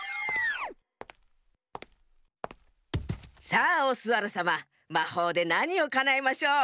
さあオスワルさままほうでなにをかなえましょう？